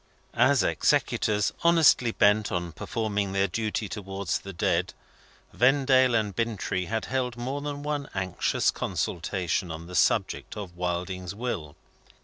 As executors honestly bent on performing their duty towards the dead, Vendale and Bintrey had held more than one anxious consultation on the subject of Wilding's will.